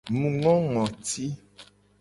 Mu ngo ngoti.